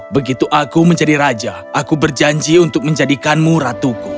begitu aku menjadi raja aku berjanji untuk menjadikanmu ratuku